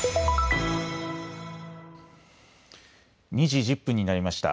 ２時１０分になりました。